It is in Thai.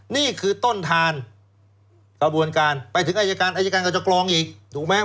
นี่คือต้นทานกระบวนการไปถึงอายการอายการก็จะกรองอีกถูกไหม